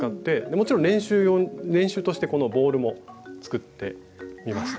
もちろん練習としてこのボールも作ってみました。